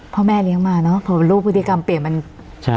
พ่อแม่เลี้ยงมาเนอะพอเป็นลูกพฤติกรรมเปลี่ยนมันใช่